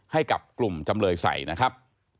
ให้กับกลุ่มจำเลยใส่นะครับ